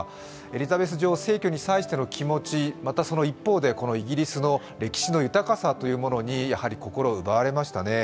エリザベス女王逝去に際しての気持ち、またその一方で、イギリスの歴史の豊かさというものにやはり心を奪われましたね。